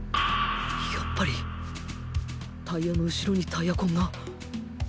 やっぱりタイヤの後ろにタイヤ痕が